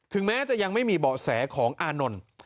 แม้จะยังไม่มีเบาะแสของอานนท์